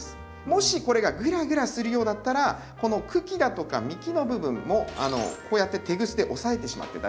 もしこれがグラグラするようだったらこの茎だとか幹の部分もこうやってテグスで押さえてしまって大丈夫です。